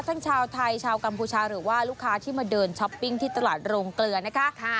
ชาวไทยชาวกัมพูชาหรือว่าลูกค้าที่มาเดินช้อปปิ้งที่ตลาดโรงเกลือนะคะ